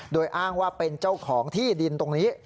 โดยอ้างว่าเป็นเจ้าของที่ดินตรงนี้